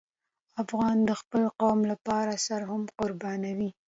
افغان د خپل قوم لپاره سر هم قربانوي.